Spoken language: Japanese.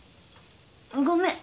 ごめん。